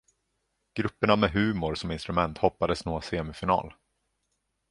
Grupperna med humor som instrument hoppades nå semifinal.